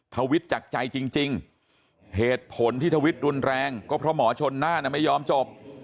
ทวิตจากใจจริงเหตุผลที่ทวิตรุนแรงก็เพราะหมอชนน่านไม่ยอมจบ